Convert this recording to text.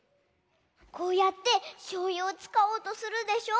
こうやってしょうゆをつかおうとするでしょ。